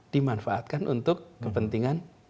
dimanfaatkan untuk kepentingan